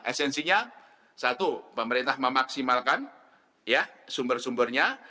esensinya satu pemerintah memaksimalkan sumber sumbernya